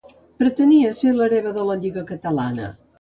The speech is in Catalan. Pretenia ser l'hereva de la Lliga Catalana.